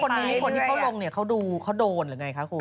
แล้วคนนี้คนนี้เขาลงนี้เขาดูเขาโดนหรือไงคะคุณ